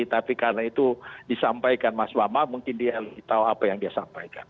tapi karena itu disampaikan mas bama mungkin dia tahu apa yang dia sampaikan